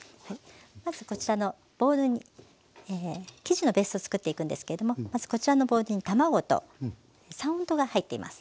まずこちらのボウルに生地のベースを作っていくんですけどもこちらのボウルに卵と三温糖が入っています。